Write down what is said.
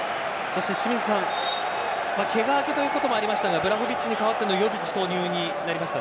けが明けということもありましたがヴラホヴィッチに代わってのヨヴィッチ投入になりました。